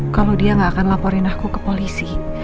kalau dia gak akan laporin aku ke polisi